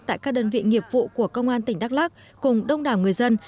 tại các đơn vị nghiệp vụ của công an tỉnh đắk lắc cùng đông đảo người dân